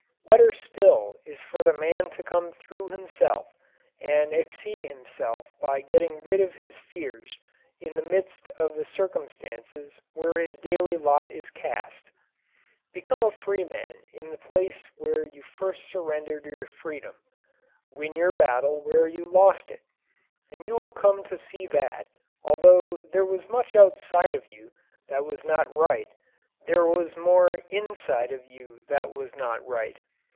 Better still is for the man to come through himself and exceed himself by getting rid of his fears in the midst of the circumstances where his daily lot is cast. Become a freeman in the place where you first surrendered your freedom. Win your battle where you lost it. And you will come to see that, although there was much outside of you that was not right, there was more inside of you that was not right.